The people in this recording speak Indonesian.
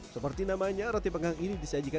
seperti namanya roti pegang ini disajikan